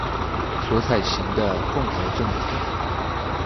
所採行的共和政體